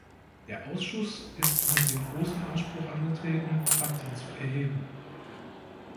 Der Ausschuss ist mit dem großen Anspruch angetreten, Fakten zu erheben.